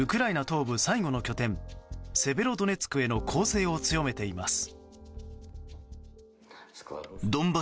東部最後の拠点セベロドネツクへの攻勢を強めています。